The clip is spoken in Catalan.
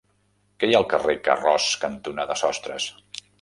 Què hi ha al carrer Carroç cantonada Sostres?